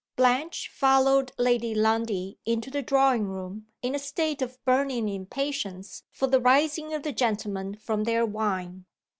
Blanche followed Lady Lundie into the drawing room in a state of burning impatience for the rising of the gentlemen from their wine.